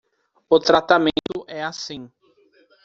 O tratamento é assim